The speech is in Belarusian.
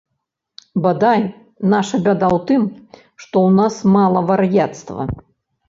Бадай, наша бяда ў тым, што ў нас мала вар'яцтва.